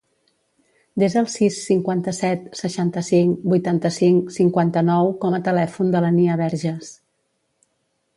Desa el sis, cinquanta-set, seixanta-cinc, vuitanta-cinc, cinquanta-nou com a telèfon de la Nia Berges.